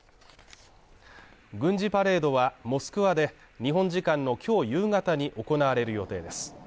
軍事パレードはモスクワで日本時間の今日夕方に行われる予定です。